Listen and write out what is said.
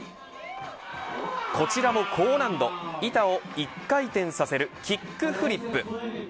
こちらも高難度板を１回転させるキックフリップ。